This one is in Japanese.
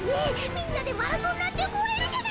みんなでマラソンなんてもえるじゃないか！